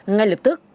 ngay lập tức